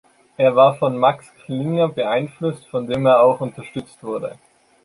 Er war von Max Klinger beeinflusst, von dem er auch unterstützt wurde.